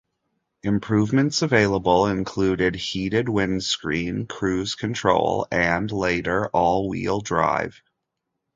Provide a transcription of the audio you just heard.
Improvements available included: heated windscreen, cruise control and, later all-wheel drive.